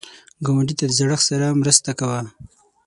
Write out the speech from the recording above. ګاونډي ته د زړښت سره مرسته کوه